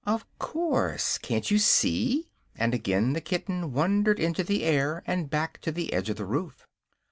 "Of course; can't you see?" and again the kitten wandered into the air and back to the edge of the roof.